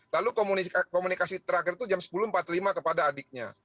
lalu komunikasi terakhir itu jam sepuluh empat puluh lima kepada adiknya